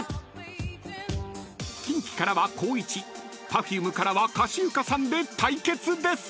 ［キンキからは光一Ｐｅｒｆｕｍｅからはかしゆかさんで対決です］